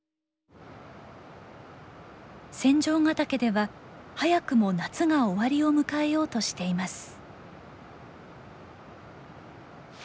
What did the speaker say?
仙丈ヶ岳では早くも夏が終わりを迎えようとしています。